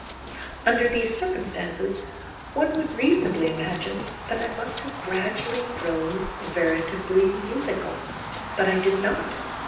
Under these circumstances, one would reasonably imagine that I must have gradually grown veritably musical, but I did not.